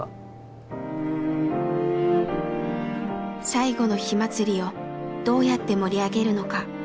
最後の火まつりをどうやって盛り上げるのか。